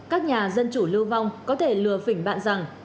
các nhà dân chủ lưu vong có thể lừa phỉnh bạn rằng